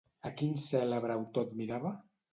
A quin cèlebre autor admirava?